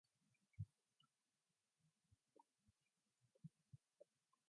He was killed in the fighting against Gurkhas of Nepal.